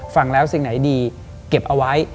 ฟังแล้วสิ่งไหนดีเก็บเอาไว้